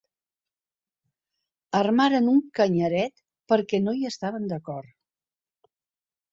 Armaren un canyaret perquè no hi estaven d'acord.